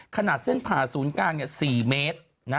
ขนาดเส้นผ่าศูนย์กลาง๔เมตร